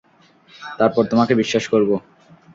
তারপর তোমাকে বিশ্বাস করব।